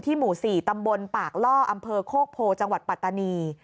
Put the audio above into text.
หมู่๔ตำบลปากล่ออำเภอโคกโพจังหวัดปัตตานี